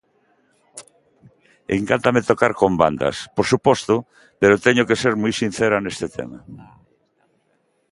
Encántame tocar con bandas, por suposto, pero teño que ser moi sincera neste tema.